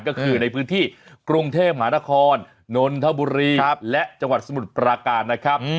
ก็คือในพื้นที่กรุงเทพมหานครนนทบุรีและจังหวัดสมุทรปราการนะครับ